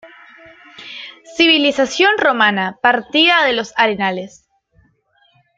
Civilización Romana: Partida de los Arenales.